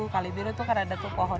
kalibiru itu karena ada tuh pohon